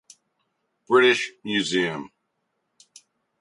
British Museum.